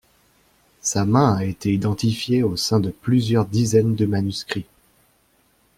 Sa main a été identifiée au sein de plusieurs dizaines de manuscrits.